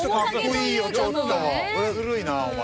これずるいなお前。